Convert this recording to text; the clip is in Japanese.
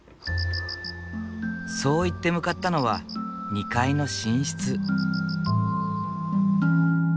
そう言って向かったのは２階の寝室。